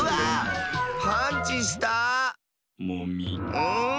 うん！